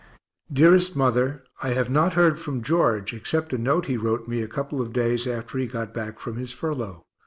_ DEAREST MOTHER I have not heard from George, except a note he wrote me a couple of days after he got back from his furlough.